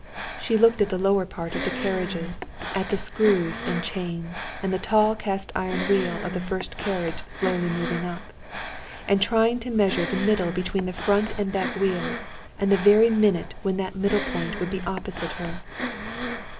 She looked at the lower part of the carriages, at the screws and chains and the tall cast iron wheel of the first carriage slowly moving up, and trying to measure the middle between the front and back wheels, and the very minute when that middle point would be opposite her.